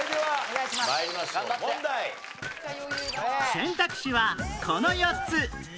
選択肢はこの４つ